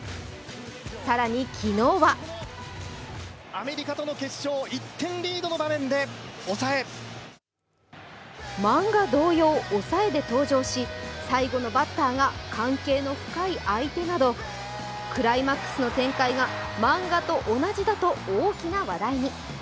更に昨日は漫画同様、抑えで登場し最後のバッターが関係の深い相手などクライマックスの展開がマンガと同じだと大きな話題に。